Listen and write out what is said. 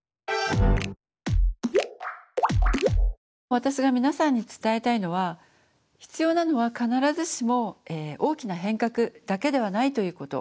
私が皆さんに伝えたいのは必要なのは必ずしも大きな変革だけではないということ。